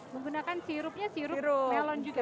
menggunakan sirupnya sirup melon juga